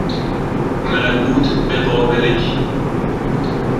مربوط بقابلگی